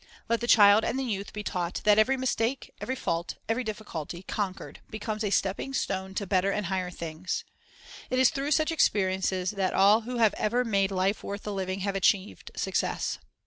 Let the child and the youth be taught that every stepping mistake, every fault, every difficulty, conquered, becomes a stepping stone to better and higher things. It is through such experiences that all who have ever made life worth the living have achieved success.